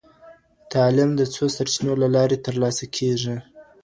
تعليم د څو سرچينو له لارې تر لاسه کېږي.